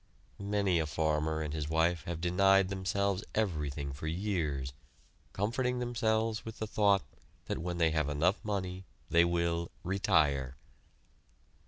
Many a farmer and his wife have denied themselves everything for years, comforting themselves with the thought that when they have enough money they will "retire."